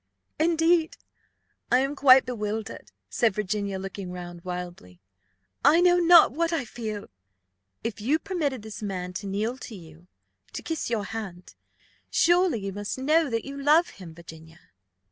"Indeed I am quite bewildered," said Virginia, looking round wildly; "I know not what I feel." "If you permitted this man to kneel to you, to kiss your hand, surely you must know that you love him, Virginia?"